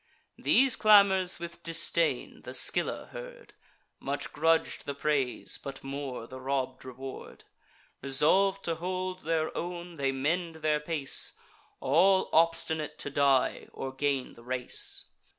These clamours with disdain the Scylla heard, Much grudg'd the praise, but more the robb'd reward: Resolv'd to hold their own, they mend their pace, All obstinate to die, or gain the race.